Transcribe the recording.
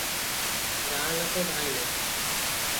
ଗାଁ ଲୋକ ଧାଇଁଲେ ।